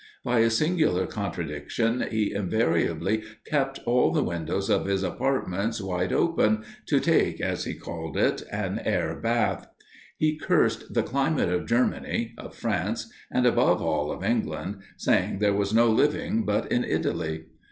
By a singular contradiction, he invariably kept all the windows of his apartments wide open, to take, as he called it, an air bath. He cursed the climate of Germany, of France, and above all of England, saying there was no living but in Italy.